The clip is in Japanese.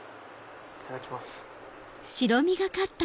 いただきます。